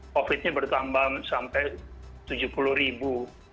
covid nya bertambah sampai tujuh puluh ribu